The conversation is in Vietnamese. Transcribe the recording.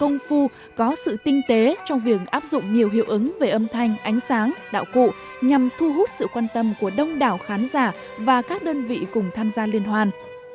công phu có sự tinh tế trong việc áp dụng nhiều hiệu ứng về âm thanh ánh sáng đạo cụ nhằm thu hút sự quan tâm của đông đảo khán giả và các đơn vị cùng tham gia liên hoan